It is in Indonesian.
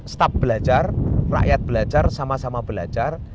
staf belajar rakyat belajar sama sama belajar